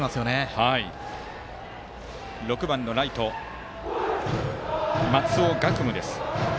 バッターは６番ライト松尾学武。